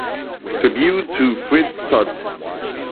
Tribute to Fritz Todt.